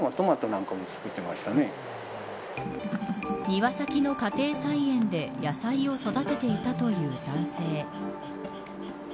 庭先の家庭菜園で野菜を育てていたという男性。